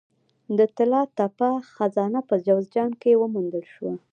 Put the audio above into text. د طلا تپه خزانه په جوزجان کې وموندل شوه